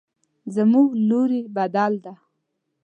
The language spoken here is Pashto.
زموږ لوري بدل ده